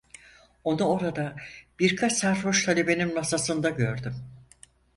Onu orada, birkaç sarhoş talebenin masasında gördüm.